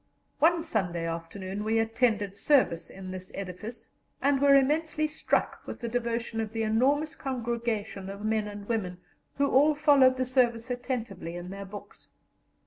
One Sunday afternoon we attended service in this edifice, and were immensely struck with the devotion of the enormous congregation of men and women, who all followed the service attentively in their books.